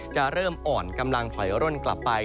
จะเริ่มอ่อนกำลังถอยร่นกลับไป